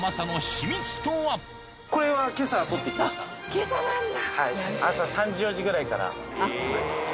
今朝なんだ。